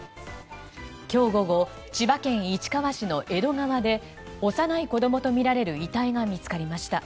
今日午後千葉県市川市の江戸川で幼い子供とみられる遺体が見つかりました。